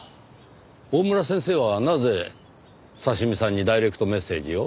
大村先生はなぜｓａｓｈｉｍｉさんにダイレクトメッセージを？